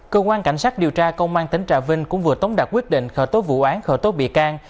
cơ quan cảnh sát điều tra công an tỉnh trà vinh cũng vừa tống đạt quyết định khởi tố vụ án khởi tố bị can